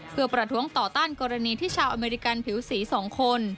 เพื่อประท้วงต่อต้านกรณีที่ชาวอเมริกันผิวสี๒คน